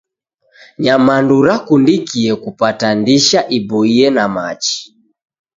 Nyamandu rakundikie kupata ndisha iboie na machi.